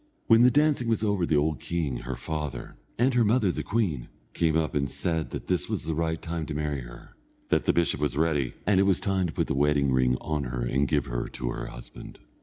When the dancing was over, the old king, her father, and her mother the queen, came up and said that this was the right time to marry her, that the bishop was ready, and it was time to put the wedding ring on her and give her to her husband.